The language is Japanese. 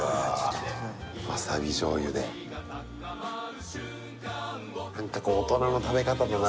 わさび醤油で何かこう大人の食べ方だな